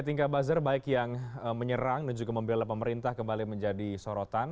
tingkah buzzer baik yang menyerang dan juga membela pemerintah kembali menjadi sorotan